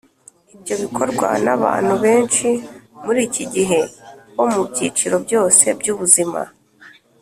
ibyo bikorwa n’abantu benshi muri iki gihe bo mu byiciro byose by’ubuzima,